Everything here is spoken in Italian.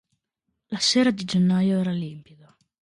La sera di gennaio era limpida.